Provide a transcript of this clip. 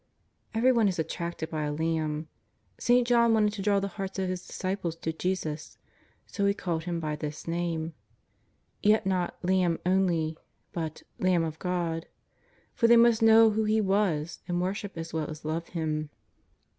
Everyone is attracted by a lamb. St. John wanted to draw the hearts of his disciples to Jesus, so he called Him by this name. Yet not " Lamb " only, but " Lamb of God," for they must know who He was, and wor ship as well as love Him.